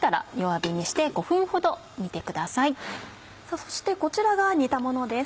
そしてこちらが煮たものです。